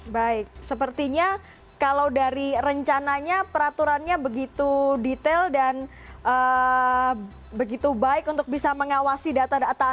baik sepertinya kalau dari rencananya peraturannya begitu detail dan begitu baik untuk bisa mengawasi data data anda